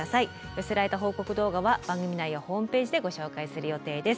寄せられた報告動画は番組内やホームページでご紹介する予定です。